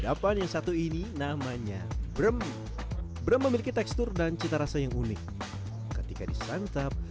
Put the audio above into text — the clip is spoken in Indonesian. kedapan yang satu ini namanya brem brem memiliki tekstur dan cita rasa yang unik ketika disantap